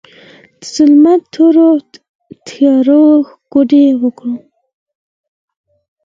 د ظلمت تورو تیارو، کوډې وکړې